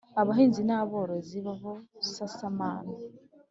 Abahinzi n aborozi ba busasamana